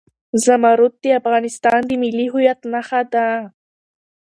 زمرد د افغانستان د ملي هویت نښه ده.